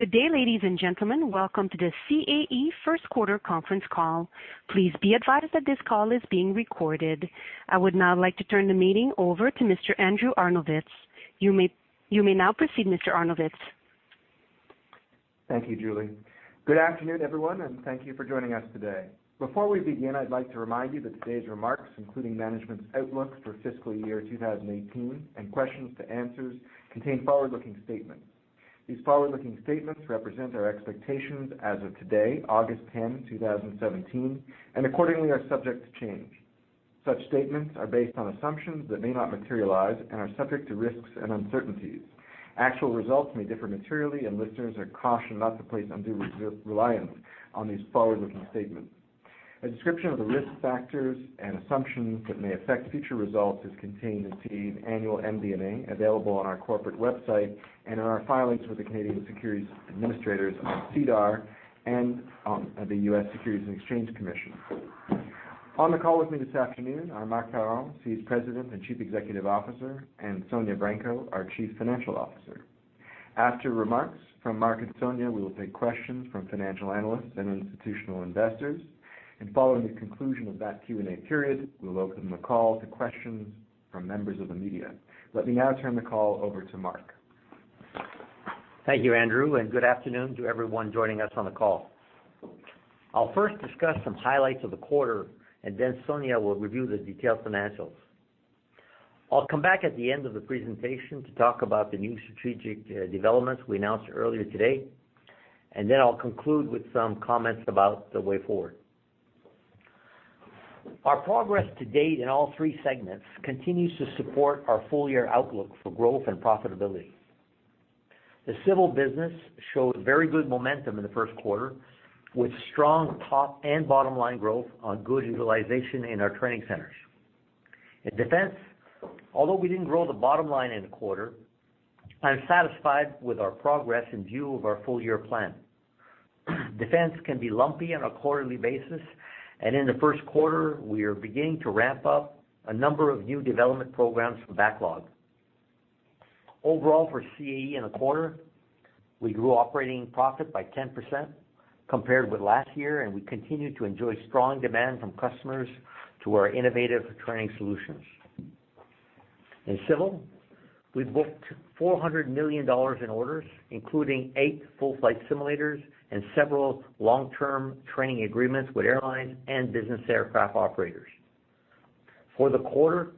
Good day, ladies and gentlemen. Welcome to the CAE first quarter conference call. Please be advised that this call is being recorded. I would now like to turn the meeting over to Mr. Andrew Arnovitz. You may now proceed, Mr. Arnovitz. Thank you, Julie. Good afternoon, everyone, and thank you for joining us today. Before we begin, I'd like to remind you that today's remarks, including management's outlook for fiscal year 2018 and questions to answers, contain forward-looking statements. These forward-looking statements represent our expectations as of today, August 10, 2017, accordingly are subject to change. Such statements are based on assumptions that may not materialize and are subject to risks and uncertainties. Actual results may differ materially, listeners are cautioned not to place undue reliance on these forward-looking statements. A description of the risk factors and assumptions that may affect future results is contained in CAE's Annual MD&A available on our corporate website and in our filings with the Canadian Securities Administrators on SEDAR and the U.S. Securities and Exchange Commission. On the call with me this afternoon are Marc Parent, CAE's President and Chief Executive Officer, and Sonya Branco, our Chief Financial Officer. After remarks from Marc and Sonya, we will take questions from financial analysts and institutional investors, following the conclusion of that Q&A period, we will open the call to questions from members of the media. Let me now turn the call over to Marc. Thank you, Andrew, good afternoon to everyone joining us on the call. I'll first discuss some highlights of the quarter, Sonya will review the detailed financials. I'll come back at the end of the presentation to talk about the new strategic developments we announced earlier today, I'll conclude with some comments about the way forward. Our progress to date in all three segments continues to support our full-year outlook for growth and profitability. The civil business showed very good momentum in the first quarter, with strong top and bottom-line growth on good utilization in our training centers. In defense, although we didn't grow the bottom line in the quarter, I'm satisfied with our progress in view of our full-year plan. Defense can be lumpy on a quarterly basis. In the first quarter, we are beginning to ramp up a number of new development programs for backlog. Overall for CAE in the quarter, we grew operating profit by 10% compared with last year, and we continued to enjoy strong demand from customers to our innovative training solutions. In civil, we booked 400 million dollars in orders, including eight full flight simulators and several long-term training agreements with airlines and business aircraft operators. For the quarter,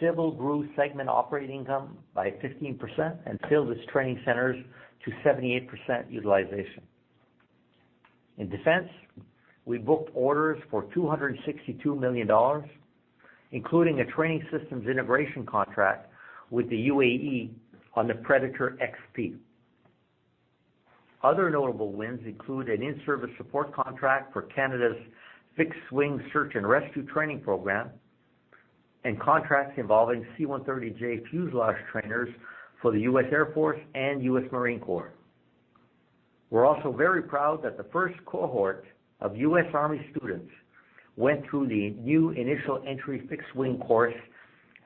civil grew segment operating income by 15% and filled its training centers to 78% utilization. In defense, we booked orders for 262 million dollars, including a training systems integration contract with the UAE on the Predator XP. Other notable wins include an in-service support contract for Canada's Fixed-Wing Search and Rescue training program and contracts involving C-130J fuselage trainers for the U.S. Air Force and U.S. Marine Corps. We're also very proud that the first cohort of U.S. Army students went through the new initial entry fixed-wing course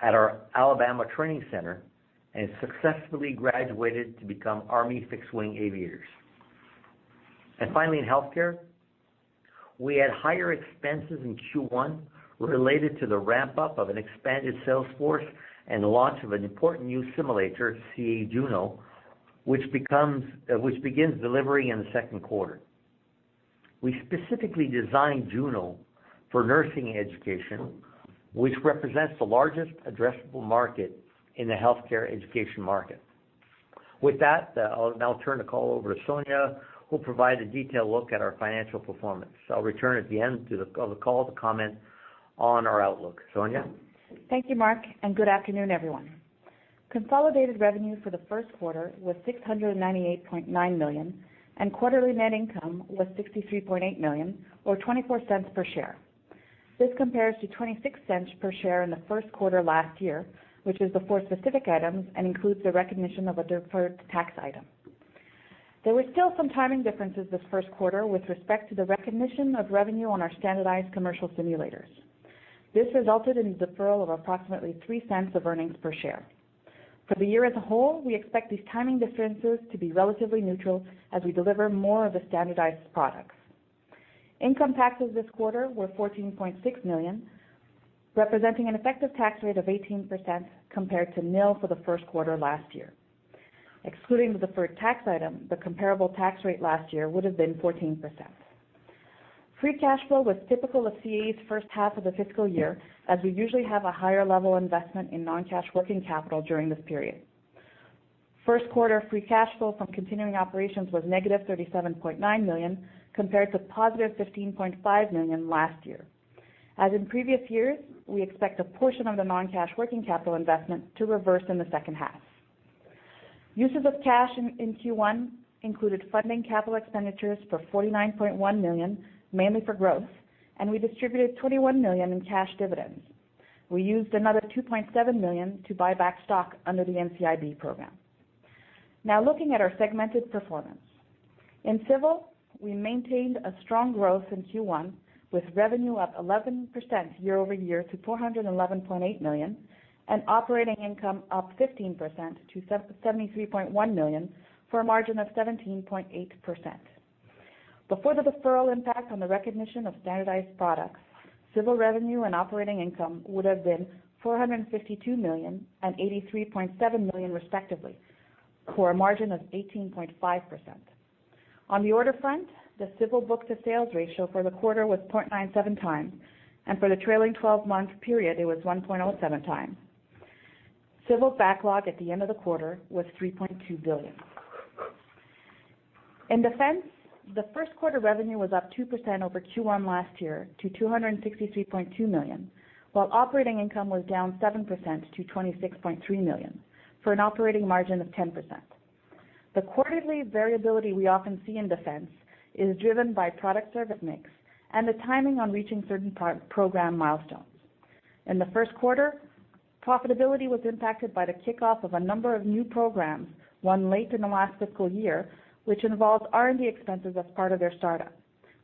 at our Alabama training center and successfully graduated to become Army fixed-wing aviators. Finally, in healthcare, we had higher expenses in Q1 related to the ramp-up of an expanded sales force and the launch of an important new simulator, CAE Juno, which begins delivery in the second quarter. We specifically designed Juno for nursing education, which represents the largest addressable market in the healthcare education market. With that, I'll now turn the call over to Sonya, who'll provide a detailed look at our financial performance. I'll return at the end of the call to comment on our outlook. Sonya? Thank you, Marc, and good afternoon, everyone. Consolidated revenue for the first quarter was 698.9 million, and quarterly net income was 63.8 million, or 0.24 per share. This compares to 0.26 per share in the first quarter last year, which is before specific items and includes the recognition of a deferred tax item. There were still some timing differences this first quarter with respect to the recognition of revenue on our standardized commercial simulators. This resulted in a deferral of approximately 0.03 of earnings per share. For the year as a whole, we expect these timing differences to be relatively neutral as we deliver more of the standardized products. Income taxes this quarter were 14.6 million, representing an effective tax rate of 18% compared to nil for the first quarter last year. Excluding the deferred tax item, the comparable tax rate last year would have been 14%. Free cash flow was typical of CAE's first half of the fiscal year, as we usually have a higher level investment in non-cash working capital during this period. First quarter free cash flow from continuing operations was negative 37.9 million, compared to positive 15.5 million last year. As in previous years, we expect a portion of the non-cash working capital investment to reverse in the second half. Uses of cash in Q1 included funding capital expenditures for 49.1 million, mainly for growth, and we distributed 21 million in cash dividends. We used another 2.7 million to buy back stock under the NCIB program. Now looking at our segmented performance. In Civil, we maintained a strong growth in Q1, with revenue up 11% year-over-year to 411.8 million, and operating income up 15% to 73.1 million for a margin of 17.8%. Before the deferral impact on the recognition of standardized products, Civil revenue and operating income would have been 452 million and 83.7 million respectively, for a margin of 18.5%. On the order front, the Civil book-to-sales ratio for the quarter was 0.97 times, and for the trailing 12-month period, it was 1.07 times. Civil backlog at the end of the quarter was 3.2 billion. In Defense, the first quarter revenue was up 2% over Q1 last year to 263.2 million, while operating income was down 7% to 26.3 million for an operating margin of 10%. The quarterly variability we often see in Defense is driven by product service mix and the timing on reaching certain program milestones. In the first quarter, profitability was impacted by the kickoff of a number of new programs, one late in the last fiscal year, which involves R&D expenses as part of their startup.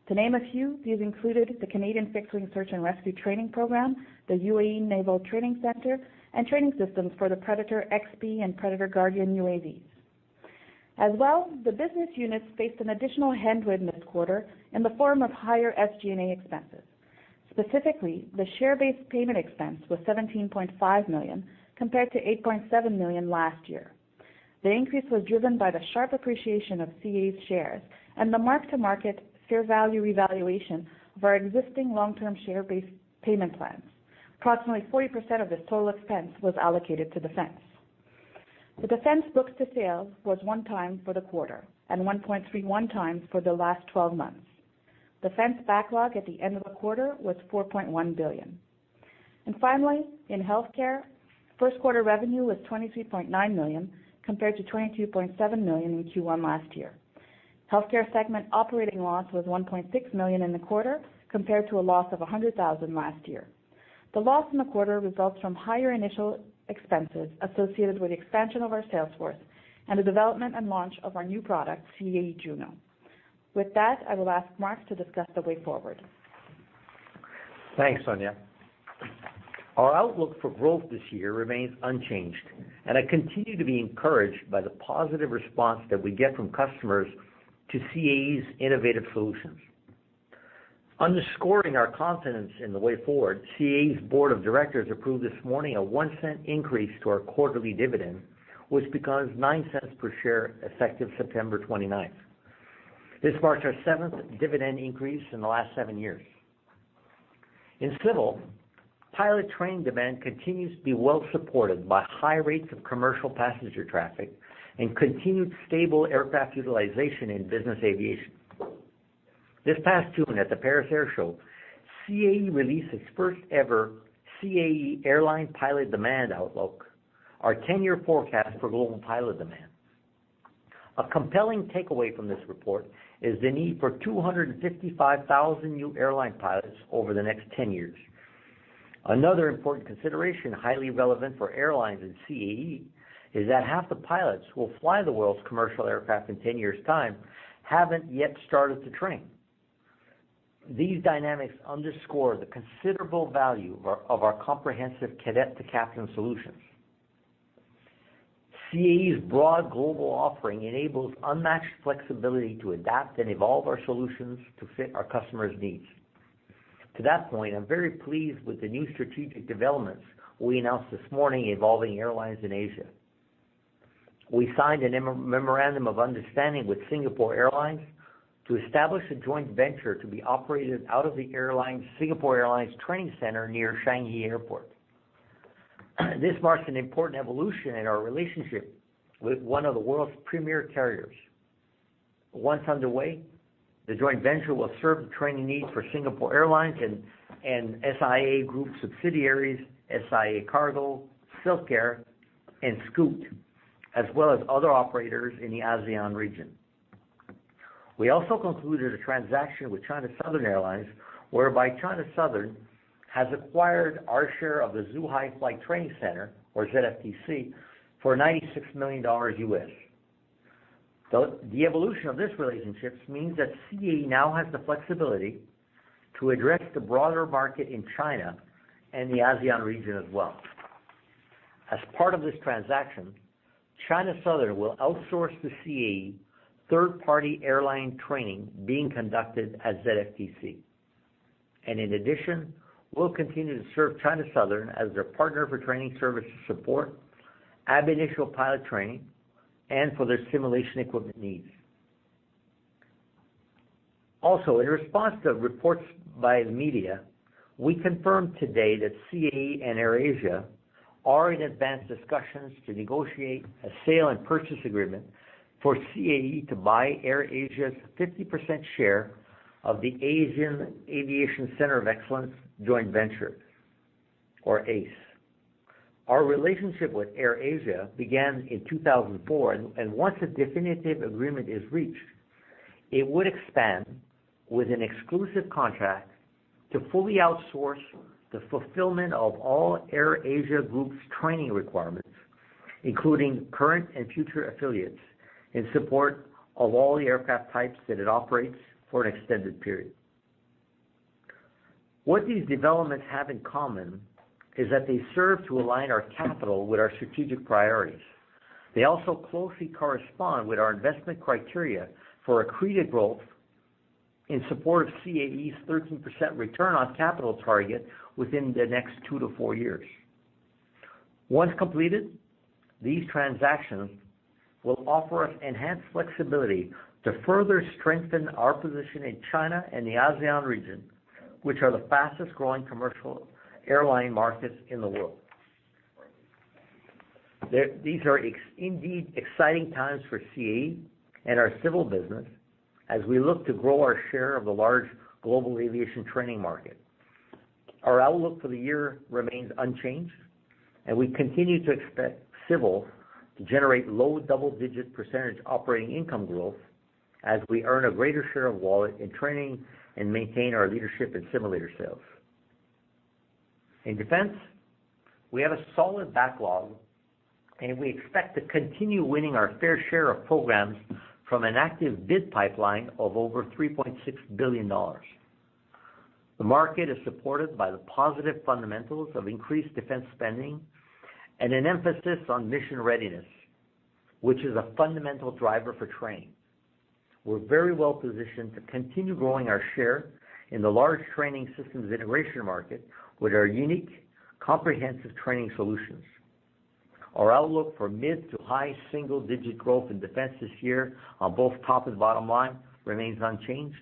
To name a few, these included the Canadian Fixed-Wing Search and Rescue training program, the UAE Naval Training Center, and training systems for the Predator XP and Predator Guardian UAVs. As well, the business units faced an additional headwind this quarter in the form of higher SG&A expenses. Specifically, the share-based payment expense was 17.5 million compared to 8.7 million last year. The increase was driven by the sharp appreciation of CAE's shares and the mark-to-market fair value revaluation of our existing long-term share-based payment plans. Approximately 40% of this total expense was allocated to Defense. The Defense book-to-sales was one time for the quarter and 1.31 times for the last 12 months. Defense backlog at the end of the quarter was 4.1 billion. Finally, in Healthcare, first quarter revenue was 23.9 million compared to 22.7 million in Q1 last year. Healthcare segment operating loss was 1.6 million in the quarter compared to a loss of 100,000 last year. The loss in the quarter results from higher initial expenses associated with the expansion of our sales force and the development and launch of our new product, CAE Juno. With that, I will ask Marc to discuss the way forward. Thanks, Sonya. Our outlook for growth this year remains unchanged, and I continue to be encouraged by the positive response that we get from customers to CAE's innovative solutions. Underscoring our confidence in the way forward, CAE's board of directors approved this morning a 0.01 increase to our quarterly dividend, which becomes 0.09 per share effective September 29th. This marks our seventh dividend increase in the last seven years. In Civil, pilot training demand continues to be well supported by high rates of commercial passenger traffic and continued stable aircraft utilization in business aviation. This past June at the Paris Air Show, CAE released its first ever CAE Pilot Demand Outlook, our 10-year forecast for global pilot demand. A compelling takeaway from this report is the need for 255,000 new airline pilots over the next 10 years. Another important consideration highly relevant for airlines and CAE is that half the pilots who will fly the world's commercial aircraft in 10 years' time haven't yet started to train. These dynamics underscore the considerable value of our comprehensive cadet-to-captain solutions. CAE's broad global offering enables unmatched flexibility to adapt and evolve our solutions to fit our customers' needs. To that point, I'm very pleased with the new strategic developments we announced this morning involving airlines in Asia. We signed a memorandum of understanding with Singapore Airlines to establish a joint venture to be operated out of the Singapore Airlines training center near Changi Airport. This marks an important evolution in our relationship with one of the world's premier carriers. Once underway, the joint venture will serve the training needs for Singapore Airlines and SIA Group subsidiaries, Singapore Airlines Cargo, SilkAir, and Scoot, as well as other operators in the ASEAN region. We also concluded a transaction with China Southern Airlines, whereby China Southern has acquired our share of the Zhuhai Flight Training Center, or ZFTC, for $96 million US. The evolution of this relationship means that CAE now has the flexibility to address the broader market in China and the ASEAN region as well. As part of this transaction, China Southern will outsource to CAE third-party airline training being conducted at ZFTC. In addition, we'll continue to serve China Southern as their partner for training service and support, ab initio pilot training, and for their simulation equipment needs. Also, in response to reports by the media, we confirmed today that CAE and AirAsia are in advanced discussions to negotiate a sale and purchase agreement for CAE to buy AirAsia's 50% share of the Asian Aviation Centre of Excellence joint venture or AACE. Our relationship with AirAsia began in 2004, and once a definitive agreement is reached, it would expand with an exclusive contract to fully outsource the fulfillment of all AirAsia Group's training requirements including current and future affiliates in support of all the aircraft types that it operates for an extended period. What these developments have in common is that they serve to align our capital with our strategic priorities. They also closely correspond with our investment criteria for accreted growth in support of CAE's 13% return on capital target within the next two to four years. Once completed, these transactions will offer us enhanced flexibility to further strengthen our position in China and the ASEAN region, which are the fastest-growing commercial airline markets in the world. These are indeed exciting times for CAE and our civil business as we look to grow our share of the large global aviation training market. Our outlook for the year remains unchanged, and we continue to expect civil to generate low double-digit % operating income growth as we earn a greater share of wallet in training and maintain our leadership in simulator sales. In defense, we have a solid backlog, and we expect to continue winning our fair share of programs from an active bid pipeline of over 3.6 billion dollars. The market is supported by the positive fundamentals of increased defense spending and an emphasis on mission readiness, which is a fundamental driver for training. We're very well positioned to continue growing our share in the large training systems integration market with our unique comprehensive training solutions. Our outlook for mid to high single-digit growth in defense this year on both top and bottom line remains unchanged,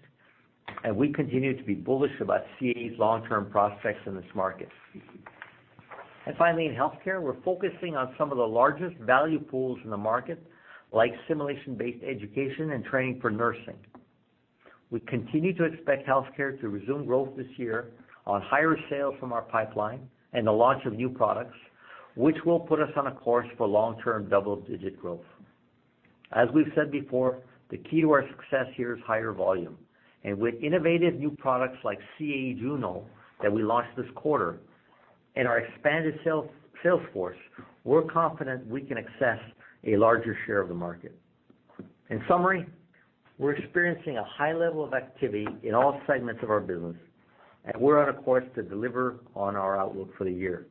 we continue to be bullish about CAE's long-term prospects in this market. Finally, in healthcare, we're focusing on some of the largest value pools in the market, like simulation-based education and training for nursing. We continue to expect healthcare to resume growth this year on higher sales from our pipeline and the launch of new products, which will put us on a course for long-term double-digit growth. As we've said before, the key to our success here is higher volume. With innovative new products like CAE Juno that we launched this quarter and our expanded sales force, we're confident we can access a larger share of the market. In summary, we're experiencing a high level of activity in all segments of our business, and we're on a course to deliver on our outlook for the year.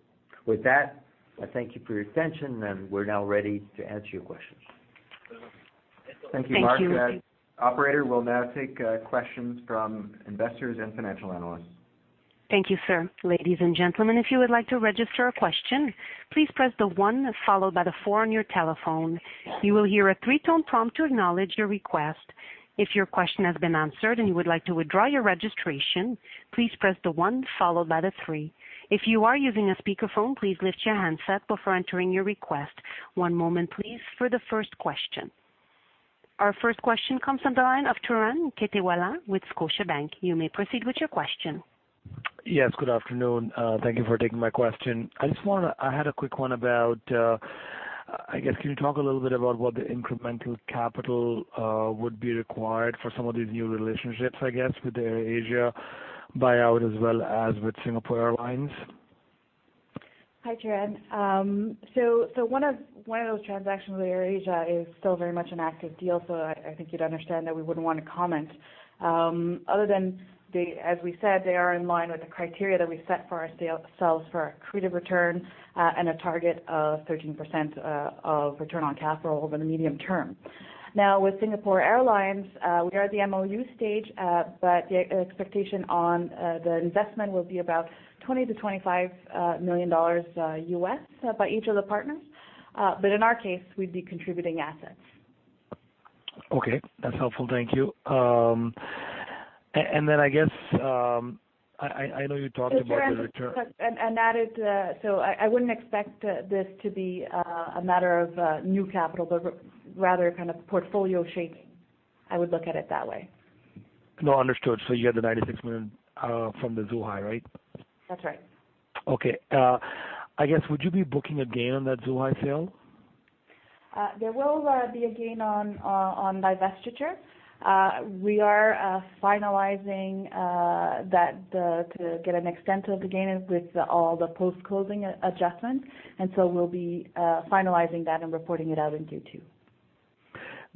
With that, I thank you for your attention, and we're now ready to answer your questions. Thank you, Marc. Thank you. Operator, we'll now take questions from investors and financial analysts. Thank you, sir. Ladies and gentlemen, if you would like to register a question, please press the one followed by the four on your telephone. You will hear a three-tone prompt to acknowledge your request. If your question has been answered and you would like to withdraw your registration, please press the one followed by the three. If you are using a speakerphone, please lift your handset before entering your request. One moment please for the first question. Our first question comes on the line of Turan Quettawala with Scotiabank. You may proceed with your question. Yes, good afternoon. Thank you for taking my question. I had a quick one about, I guess, can you talk a little bit about what the incremental capital would be required for some of these new relationships with AirAsia buyout as well as with Singapore Airlines? Hi, Turan. One of those transactions with AirAsia is still very much an active deal. I think you'd understand that we wouldn't want to comment. Other than, as we said, they are in line with the criteria that we set for ourselves for accreted return and a target of 13% of return on capital over the medium term. With Singapore Airlines, we are at the MoU stage, but the expectation on the investment will be about 20 million-25 million dollars by each of the partners. In our case, we'd be contributing assets. Okay. That's helpful. Thank you. I guess, I know you talked about the return- That is, I wouldn't expect this to be a matter of new capital, but rather kind of portfolio shaping. I would look at it that way. No, understood. You have the 96 million from the Zhuhai, right? That's right. Okay. I guess, would you be booking a gain on that Zhuhai sale? There will be a gain on divestiture. We are finalizing that to get an extent of the gain with all the post-closing adjustments. So we'll be finalizing that and reporting it out in Q2.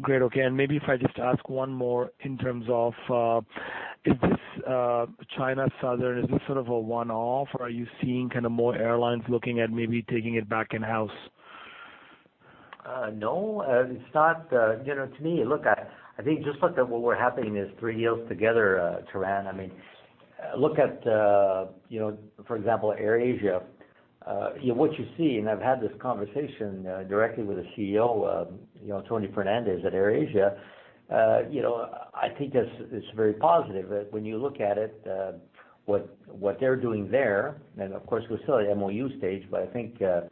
Great. Okay. Maybe if I just ask one more in terms of, is this China Southern, is this sort of a one-off, or are you seeing more airlines looking at maybe taking it back in-house? No. It's not. To me, look, I think just look at what we're happening is three deals together, Turan. Look at, for example, AirAsia. What you see, I've had this conversation directly with the CEO, Tony Fernandes at AirAsia. I think it's very positive when you look at it what they're doing there, and of course, we're still at the MoU stage, but I think they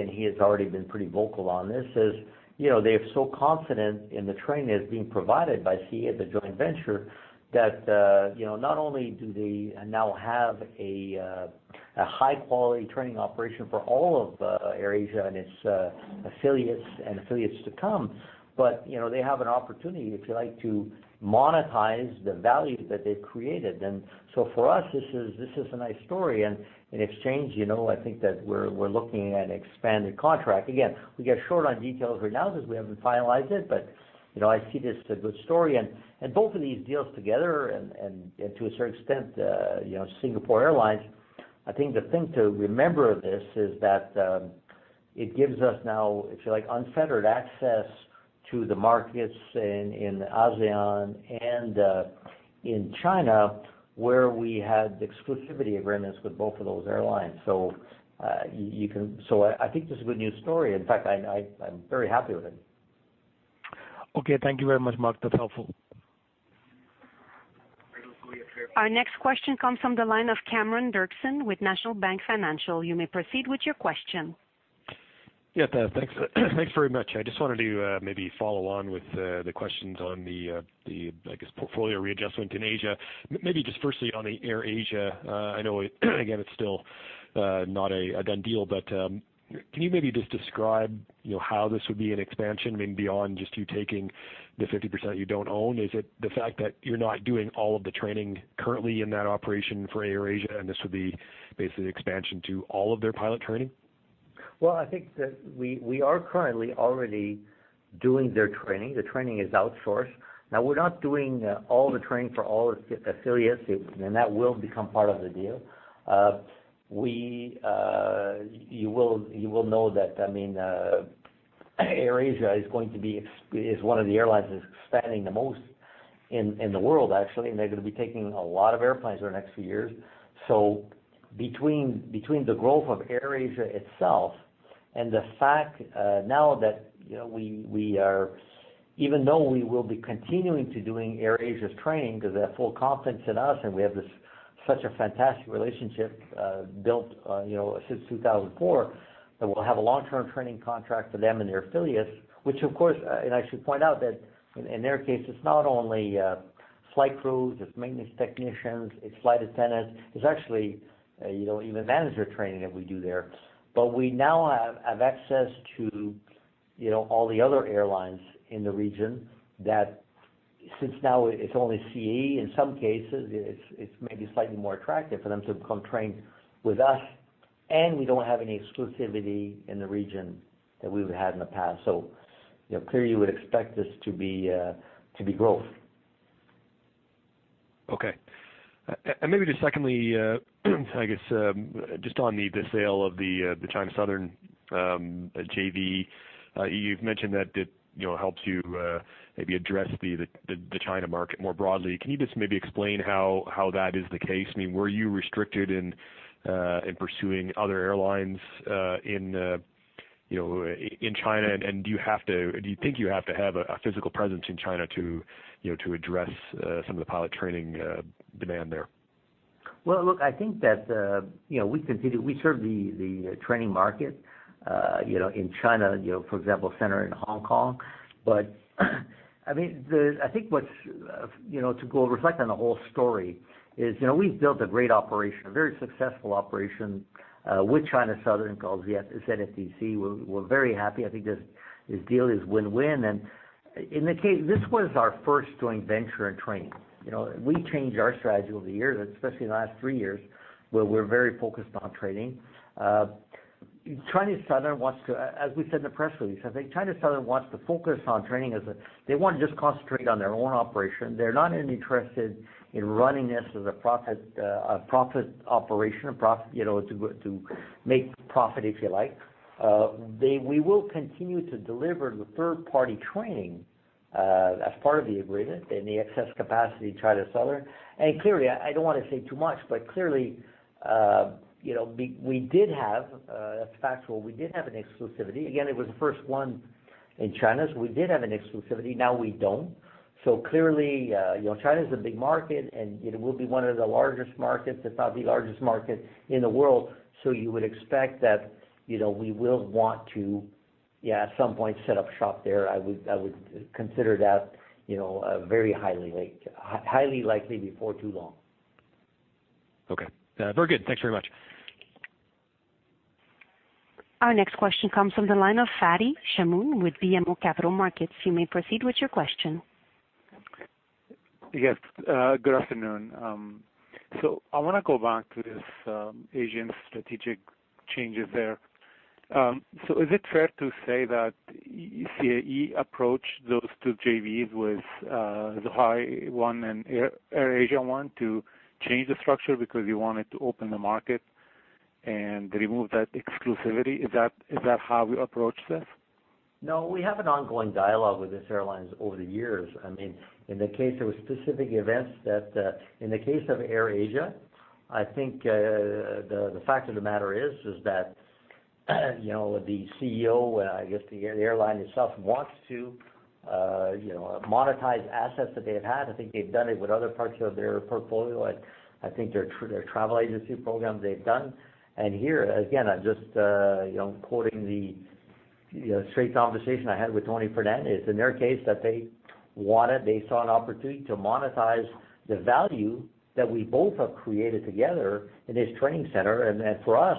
and he has already been pretty vocal on this, is they're so confident in the training that's being provided by CAE, the joint venture, that not only do they now have a high-quality training operation for all of AirAsia and its affiliates and affiliates to come, but they have an opportunity, if you like, to monetize the value that they've created. For us, this is a nice story. In exchange, I think that we're looking at an expanded contract. We get short on details right now because we haven't finalized it, but I see this as a good story. Both of these deals together and to a certain extent, Singapore Airlines, I think the thing to remember of this is that it gives us now, if you like, unfettered access to the markets in ASEAN and in China, where we had exclusivity agreements with both of those airlines. I think this is a good news story. In fact, I'm very happy with it. Okay. Thank you very much, Marc. That's helpful. Our next question comes from the line of Cameron Doerksen with National Bank Financial. You may proceed with your question. Thanks. Thanks very much. I just wanted to follow on with the questions on the, I guess, portfolio readjustment in Asia. Just firstly on the AirAsia. I know, again, it's still not a done deal, but can you just describe how this would be an expansion beyond just you taking the 50% you don't own? Is it the fact that you're not doing all of the training currently in that operation for AirAsia, and this would be basically expansion to all of their pilot training? I think that we are currently already doing their training. The training is outsourced. We're not doing all the training for all its affiliates, and that will become part of the deal. You will know that AirAsia is one of the airlines that's expanding the most in the world, actually, and they're going to be taking a lot of airplanes over the next few years. Between the growth of AirAsia itself and the fact now that even though we will be continuing to doing AirAsia's training because they have full confidence in us, and we have such a fantastic relationship built since 2004, that we'll have a long-term training contract for them and their affiliates. I should point out that in their case, it's not only flight crews, it's maintenance technicians, it's flight attendants. It's actually even manager training that we do there. We now have access to all the other airlines in the region that since now it's only CAE, in some cases, it's maybe slightly more attractive for them to come train with us, and we don't have any exclusivity in the region that we've had in the past. Clearly, you would expect this to be growth. Okay. Maybe just secondly, I guess, just on the sale of the China Southern JV. You've mentioned that it helps you maybe address the China market more broadly. Can you just maybe explain how that is the case? Were you restricted in pursuing other airlines in China, and do you think you have to have a physical presence in China to address some of the pilot training demand there? I think that we serve the training market in China, for example, center in Hong Kong. I think to go reflect on the whole story is we've built a great operation, a very successful operation with China Southern called ZFTC. We're very happy. I think this deal is win-win. In the case, this was our first joint venture in training. We changed our strategy over the years, especially in the last three years, where we're very focused on training. As we said in the press release, I think China Southern wants to focus on training as they want to just concentrate on their own operation. They're not interested in running this as a profit operation, to make profit, if you like. We will continue to deliver the third-party training as part of the agreement in the excess capacity China Southern. Clearly, I don't want to say too much, but clearly we did have an exclusivity. Again, it was the first one in China. We did have an exclusivity. Now we don't. Clearly, China is a big market, and it will be one of the largest markets, if not the largest market in the world. You would expect that we will want to, yeah, at some point set up shop there. I would consider that very highly likely before too long. Okay. Very good. Thanks very much. Our next question comes from the line of Fadi Chamoun with BMO Capital Markets. You may proceed with your question. Yes. Good afternoon. I want to go back to this Asian strategic changes there. Is it fair to say that CAE approached those two JVs with the Zhuhai one and AirAsia one to change the structure because you wanted to open the market and remove that exclusivity? Is that how we approach this? No, we have an ongoing dialogue with these airlines over the years. In the case, there were specific events. In the case of AirAsia, I think the fact of the matter is that the CEO, I guess the airline itself, wants to monetize assets that they have had. I think they've done it with other parts of their portfolio. I think their travel agency programs they've done. Here, again, I'm just quoting the straight conversation I had with Tony Fernandes, it's in their case that they wanted. They saw an opportunity to monetize the value that we both have created together in this training center. For us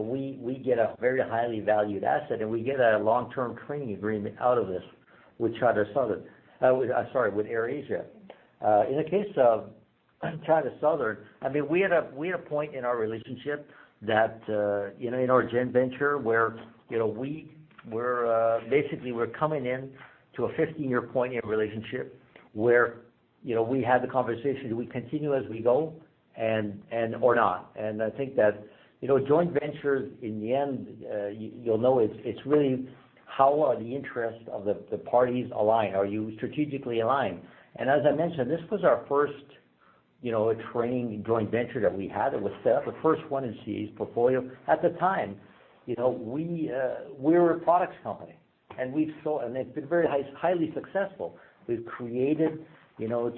we get a very highly valued asset and we get a long-term training agreement out of this with China Southern. Sorry, with AirAsia. In the case of China Southern, we had a point in our relationship that in our joint venture where basically we're coming in to a 15-year point in a relationship. We had the conversation, do we continue as we go or not? I think that joint ventures, in the end, you'll know it's really how are the interests of the parties aligned? Are you strategically aligned? As I mentioned, this was our first training joint venture that we had. It was set up, the first one in CAE's portfolio. At the time, we were a products company, and it's been very highly successful. We've created, to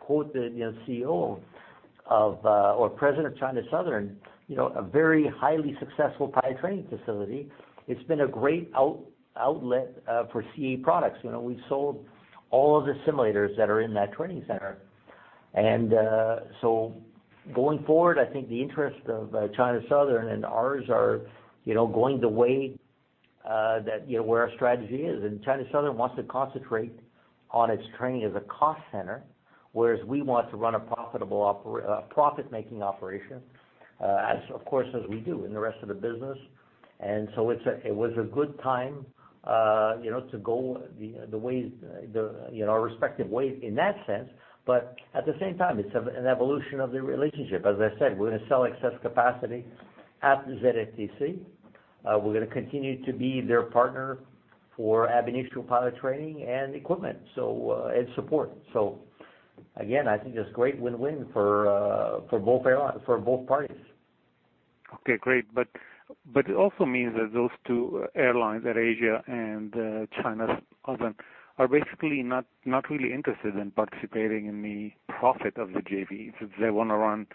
quote the CEO or President of China Southern, a very highly successful pilot training facility. It's been a great outlet for CAE products. We've sold all of the simulators that are in that training center. Going forward, I think the interest of China Southern and ours are going the way that our strategy is. China Southern wants to concentrate on its training as a cost center, whereas we want to run a profit-making operation as of course, as we do in the rest of the business. It was a good time to go our respective ways in that sense. At the same time, it's an evolution of the relationship. As I said, we're going to sell excess capacity at ZFTC. We're going to continue to be their partner for ab initio pilot training and equipment and support. Again, I think it's great win-win for both parties. Okay, great. It also means that those two airlines, AirAsia and China Southern, are basically not really interested in participating in the profit of the JV, since they want to run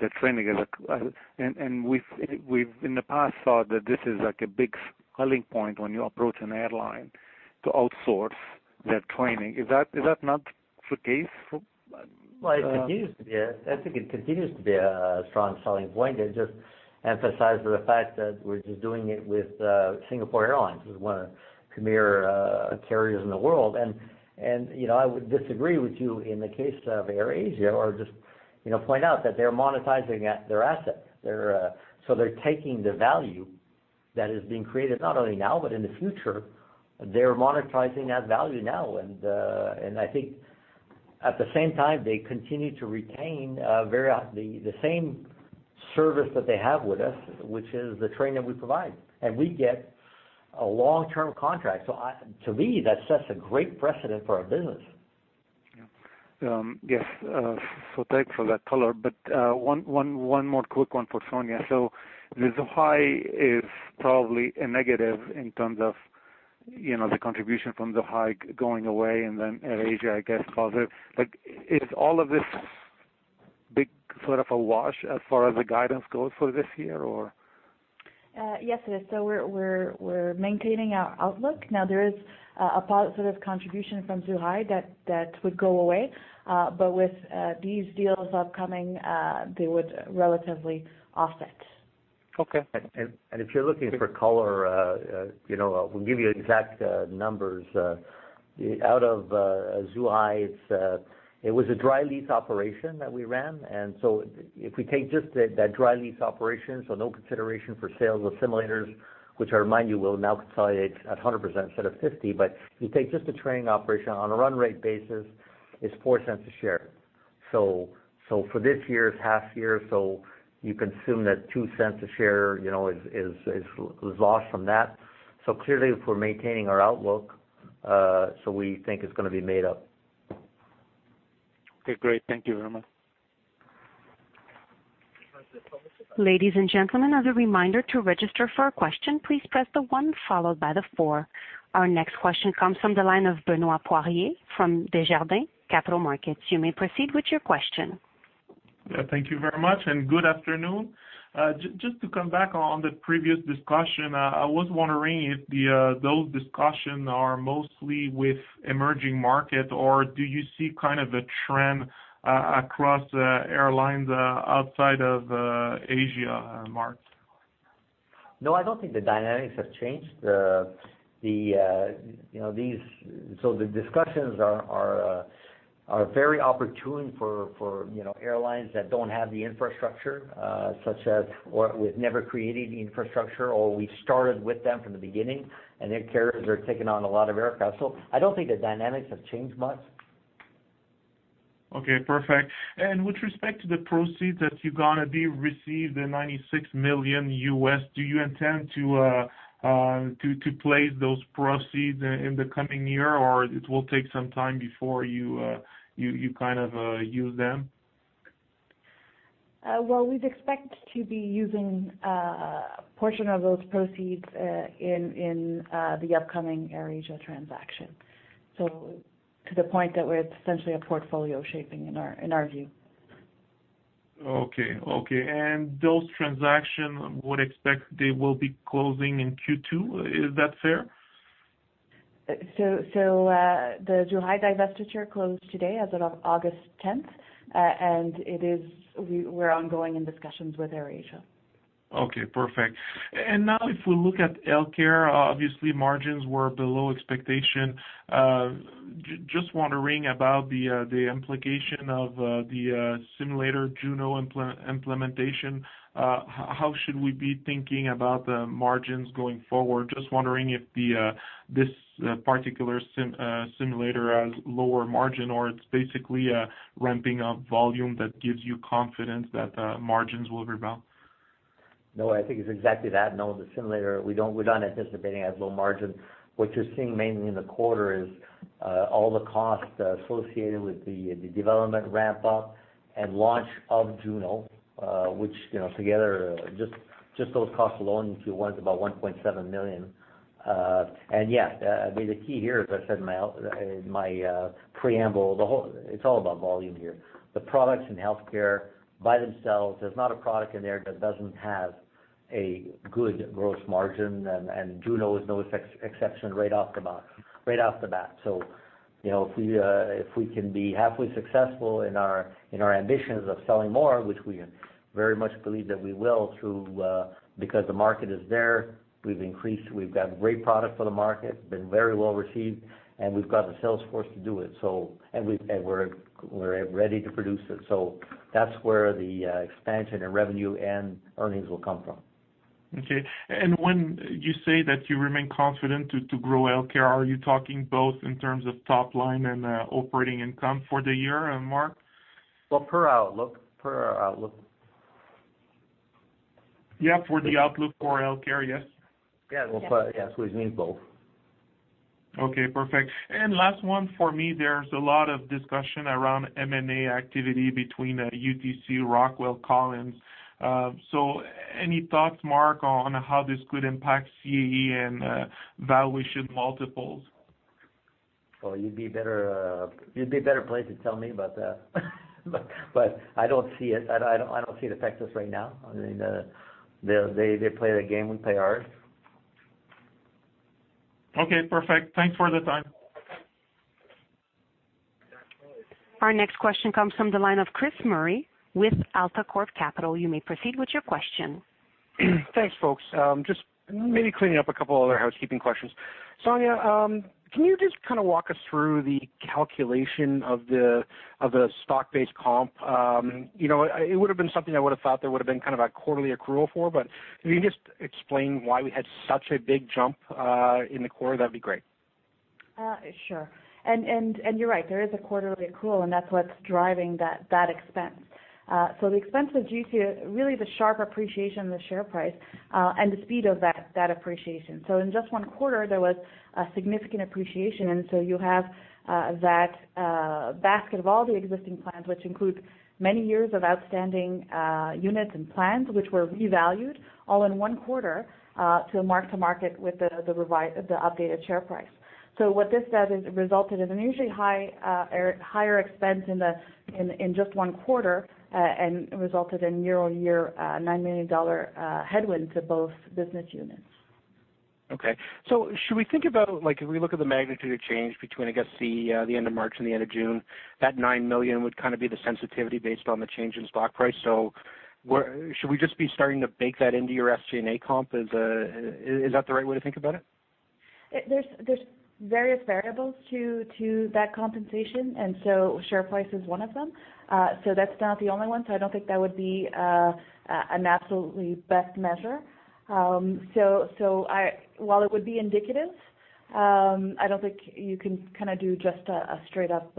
their training as a. We've in the past thought that this is like a big selling point when you approach an airline to outsource their training. Is that not the case for- It continues to be. I think it continues to be a strong selling point. I just emphasize the fact that we're just doing it with Singapore Airlines, who's one of the premier carriers in the world. I would disagree with you in the case of AirAsia or just point out that they're monetizing their asset. They're taking the value that is being created not only now but in the future. They're monetizing that value now. I think at the same time, they continue to retain the same service that they have with us, which is the training that we provide. We get a long-term contract. To me, that sets a great precedent for our business. Yes. Thanks for that color, but one more quick one for Sonya. The Zhuhai is probably a negative in terms of the contribution from Zhuhai going away and then AirAsia, I guess, positive. Is all of this big sort of a wash as far as the guidance goes for this year, or? Yes, it is. We're maintaining our outlook. Now, there is a positive contribution from Zhuhai that would go away. With these deals upcoming, they would relatively offset. Okay. If you're looking for color, we'll give you exact numbers. Out of Zhuhai, it was a dry lease operation that we ran. If we take just that dry lease operation, no consideration for sales of simulators, which I remind you will now consolidate at 100% instead of 50%. If you take just the training operation on a run rate basis, it's 0.04 a share. For this year's half year, you consume that 0.02 a share is lost from that. Clearly, if we're maintaining our outlook, we think it's going to be made up. Okay, great. Thank you very much. Ladies and gentlemen, as a reminder to register for a question, please press the one followed by the four. Our next question comes from the line of Benoit Poirier from Desjardins Capital Markets. You may proceed with your question. Thank you very much. Good afternoon. Just to come back on the previous discussion, I was wondering if those discussions are mostly with emerging markets, or do you see a trend across airlines outside of Asian markets? I don't think the dynamics have changed. The discussions are very opportune for airlines that don't have the infrastructure, or have never created the infrastructure, or we started with them from the beginning. Their carriers are taking on a lot of aircraft. I don't think the dynamics have changed much. Okay, perfect. With respect to the proceeds that you're going to be received, the $96 million, do you intend to place those proceeds in the coming year, or it will take some time before you use them? Well, we'd expect to be using a portion of those proceeds in the upcoming AirAsia transaction. To the point that we're essentially a portfolio shaping in our view. Okay. Those transaction would expect they will be closing in Q2. Is that fair? The Zhuhai divestiture closed today as of August 10th, we're ongoing in discussions with AirAsia. Okay, perfect. Now if we look at Healthcare, obviously margins were below expectation. Just wondering about the implication of the simulator Juno implementation. How should we be thinking about the margins going forward? Just wondering if this particular simulator has lower margin or it's basically a ramping up volume that gives you confidence that margins will rebound. No, I think it's exactly that, Benoit. The simulator, we're not anticipating it has low margin. What you're seeing mainly in the quarter is all the costs associated with the development ramp up and launch of Juno, which together, just those costs alone, if you want, is about 1.7 million. Yeah, the key here, as I said in my preamble, it's all about volume here. The products in Healthcare by themselves, there's not a product in there that doesn't have a good gross margin, and Juno is no exception right off the bat. If we can be halfway successful in our ambitions of selling more, which we very much believe that we will because the market is there, we've increased, we've got great product for the market, been very well received, and we've got the sales force to do it, and we're ready to produce it. That's where the expansion in revenue and earnings will come from. Okay. When you say that you remain confident to grow Healthcare, are you talking both in terms of top line and operating income for the year, Marc? Well, per our outlook. Yeah, for the outlook for healthcare, yes? Yeah. Which means both. Okay, perfect. Last one for me, there's a lot of discussion around M&A activity between UTC, Rockwell Collins. Any thoughts, Marc, on how this could impact CAE and valuation multiples? Well, you'd be better placed to tell me about that. I don't see it. I don't see the effects just right now. I mean, they play their game, we play ours. Okay, perfect. Thanks for the time. Our next question comes from the line of Chris Murray with AltaCorp Capital. You may proceed with your question. Thanks, folks. Just maybe cleaning up a couple other housekeeping questions. Sonya, can you just walk us through the calculation of the stock-based comp? It would've been something I would've thought there would've been a quarterly accrual for, if you can just explain why we had such a big jump in the quarter, that'd be great. Sure. You're right, there is a quarterly accrual, and that's what's driving that expense. The expense was due to really the sharp appreciation in the share price, and the speed of that appreciation. In just one quarter, there was a significant appreciation. You have that basket of all the existing plans, which includes many years of outstanding units and plans, which were revalued all in one quarter, to mark to market with the updated share price. What this does is it resulted in an usually higher expense in just one quarter, and resulted in year-over-year, 9 million dollar headwind to both business units. Okay. Should we think about, if we look at the magnitude of change between, I guess, the end of March and the end of June, that 9 million would be the sensitivity based on the change in stock price. Should we just be starting to bake that into your SG&A comp? Is that the right way to think about it? There's various variables to that compensation, Share price is one of them. That's not the only one, I don't think that would be an absolutely best measure. While it would be indicative, I don't think you can do just a straight up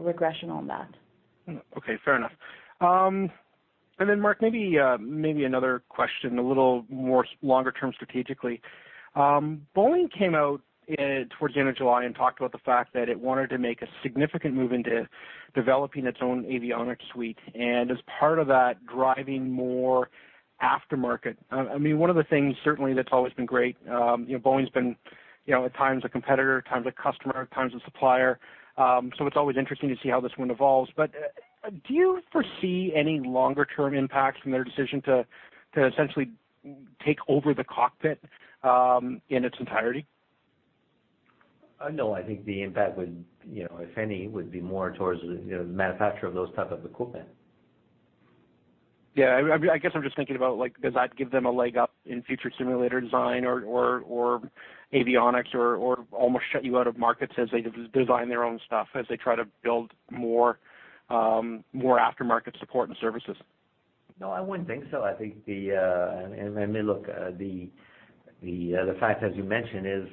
regression on that. Okay, fair enough. Marc, maybe another question, a little more longer term strategically. Boeing came out towards the end of July and talked about the fact that it wanted to make a significant move into developing its own avionics suite, and as part of that, driving more aftermarket. One of the things certainly that's always been great, Boeing's been at times a competitor, at times a customer, at times a supplier. It's always interesting to see how this one evolves, but do you foresee any longer term impacts from their decision to essentially take over the cockpit, in its entirety? No, I think the impact would, if any, would be more towards the manufacturer of those type of equipment. Yeah, I guess I'm just thinking about does that give them a leg up in future simulator design or avionics or almost shut you out of markets as they design their own stuff, as they try to build more aftermarket support and services? No, I wouldn't think so. I mean, look, the fact as you mentioned is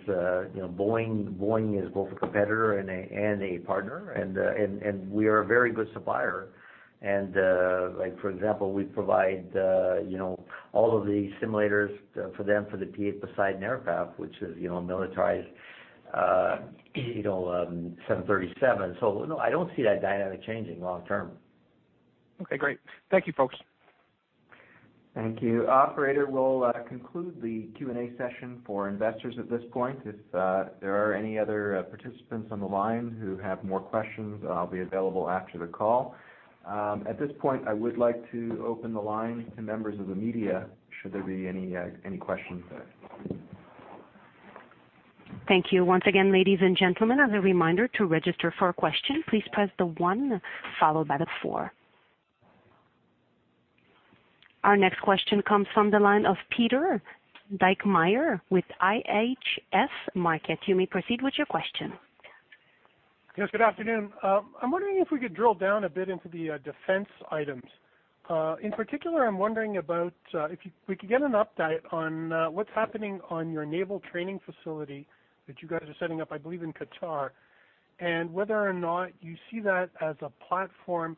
Boeing is both a competitor and a partner, and we are a very good supplier. For example, we provide all of the simulators for them for the P-8 Poseidon aircraft, which is a militarized 737. No, I don't see that dynamic changing long term. Okay, great. Thank you folks. Thank you. Operator, we'll conclude the Q&A session for investors at this point. If there are any other participants on the line who have more questions, I'll be available after the call. At this point, I would like to open the line to members of the media, should there be any questions there. Thank you once again, ladies and gentlemen. As a reminder, to register for a question, please press the one followed by the four. Our next question comes from the line of Peter Dijkmeyer with IHS Markit. You may proceed with your question. Yes, good afternoon. I'm wondering if we could drill down a bit into the defense items. In particular, I'm wondering about if we could get an update on what's happening on your naval training facility that you guys are setting up, I believe, in Qatar, and whether or not you see that as a platform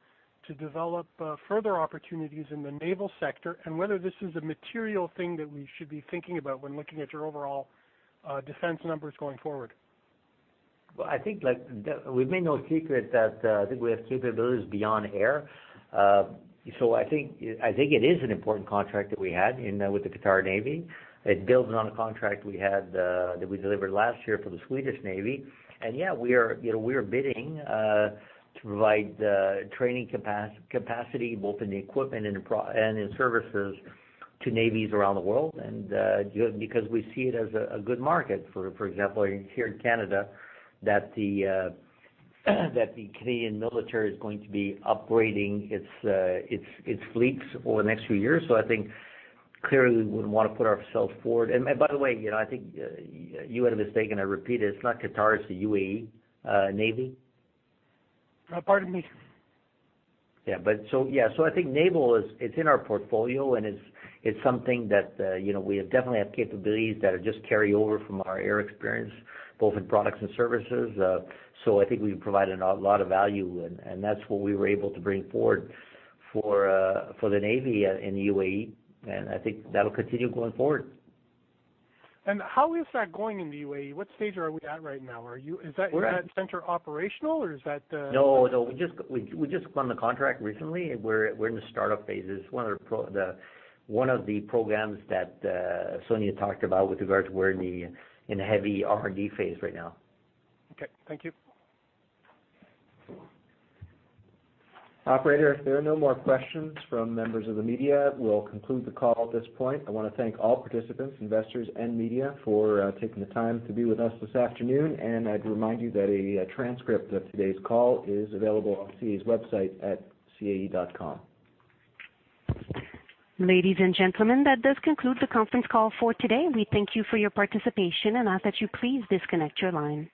to develop further opportunities in the naval sector, and whether this is a material thing that we should be thinking about when looking at your overall defense numbers going forward. I think we've made no secret that I think we have capabilities beyond air. I think it is an important contract that we had with the Qatar Navy. It builds on a contract that we delivered last year for the Swedish Navy. Yeah, we are bidding to provide training capacity, both in the equipment and in services to navies around the world, because we see it as a good market. For example, here in Canada, the Canadian military is going to be upgrading its fleets over the next few years. I think clearly we would want to put ourselves forward. By the way, I think you had a mistake, and I repeat it's not Qatar, it's the UAE Navy. Pardon me. Yeah. I think naval, it's in our portfolio, and it's something that we definitely have capabilities that just carry over from our air experience, both in products and services. I think we provide a lot of value, and that's what we were able to bring forward for the Navy in the UAE, and I think that'll continue going forward. How is that going in the UAE? What stage are we at right now? Is that center operational? No, we just won the contract recently. We're in the startup phases. One of the programs that Sonya talked about with regards we're in the heavy R&D phase right now. Okay. Thank you. Operator, if there are no more questions from members of the media, we'll conclude the call at this point. I want to thank all participants, investors, and media for taking the time to be with us this afternoon. I'd remind you that a transcript of today's call is available on CAE's website at cae.com. Ladies and gentlemen, that does conclude the conference call for today. We thank you for your participation and ask that you please disconnect your line.